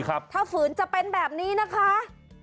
ถ้าฝืนจะเป็นแบบนี้นะคะ